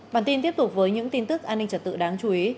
bản tin tiếp tục với những tin tức an ninh trật tự đáng chú ý